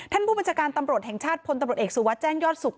ผู้บัญชาการตำรวจแห่งชาติพลตำรวจเอกสุวัสดิแจ้งยอดสุข